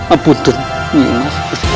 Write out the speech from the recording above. apunten nyi imas kesepatu